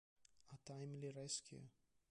A Timely Rescue